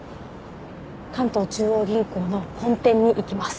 関東中央銀行の本店に行きます